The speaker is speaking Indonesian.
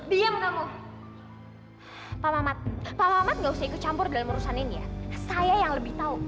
diem kamu pak mamat pak mamat ga usah ikut campur dan merusakannya saya yang lebih tahu